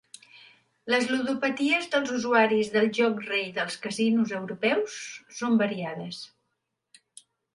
Les ludopaties dels usuaris del joc rei dels casinos europeus són variades.